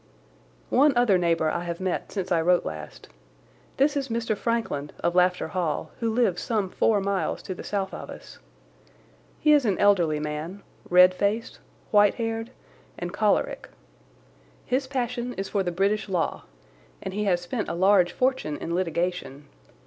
One other neighbour I have met since I wrote last. This is Mr. Frankland, of Lafter Hall, who lives some four miles to the south of us. He is an elderly man, red faced, white haired, and choleric. His passion is for the British law, and he has spent a large fortune in litigation.